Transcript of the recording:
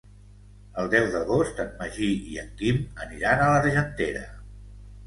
El deu d'agost en Magí i en Quim aniran a l'Argentera.